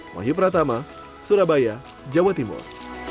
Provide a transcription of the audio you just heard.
wahyu pratama surabaya jawa timur